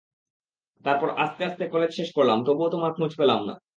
তারপর আস্তে আস্তে কলেজ শেষ করলাম, তবুও তোমার খোঁজ পেলাম না।